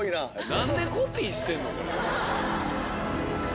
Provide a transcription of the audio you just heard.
何でコピーしてんの？